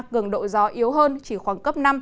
cường độ gió yếu hơn chỉ khoảng cấp năm